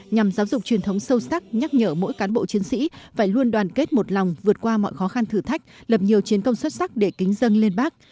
nhằm giáo dục truyền thống sâu sắc nhắc nhở mỗi cán bộ chiến sĩ phải luôn đoàn kết một lòng vượt qua mọi khó khăn thử thách lập nhiều chiến công xuất sắc để kính dân lên bác